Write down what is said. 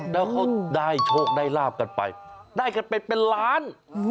แล้วเขาได้โชคได้ลาบกันไปได้กันเป็นล้าน